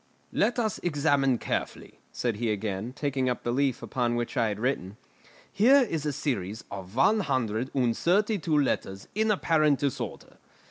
"Let us examine carefully," said he again, taking up the leaf upon which I had written. "Here is a series of one hundred and thirty two letters in apparent disorder.